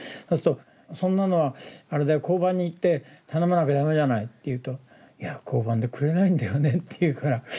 そうすると「そんなのはアレだよ交番に行って頼まなきゃダメじゃない」って言うと「いや交番でくれないんだよね」って言うから。